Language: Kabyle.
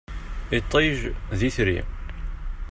Iṭij, d itri.